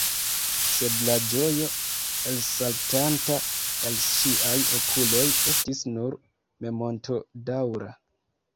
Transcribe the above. Sed la ĝojo, elsaltanta el ŝiaj okuloj, estis nur momentodaŭra.